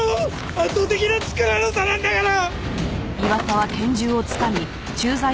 圧倒的な力の差なんだから。